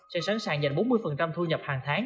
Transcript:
sẽ sẵn sàng dành bốn mươi thu nhập hàng tháng